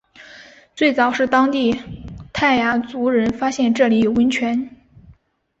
最早是当地泰雅族人发现这里有温泉。